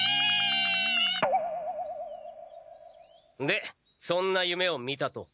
でそんな夢を見たと？